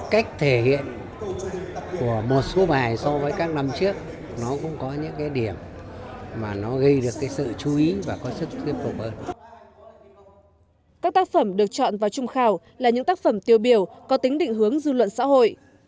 các tác phẩm được chọn vào trung khảo là những tác phẩm tiêu biểu có tính định hướng dư luận xã hội